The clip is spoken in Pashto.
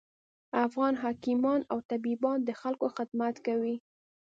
افغان حکیمان او طبیبان د خلکوخدمت کوي